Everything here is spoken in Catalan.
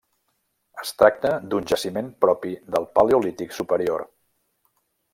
Es tracta d'un jaciment propi del Paleolític Superior.